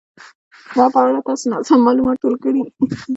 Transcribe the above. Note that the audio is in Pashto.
زما په اړه تاسو ناسم مالومات ټول کړي